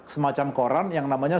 semacam koran yang namanya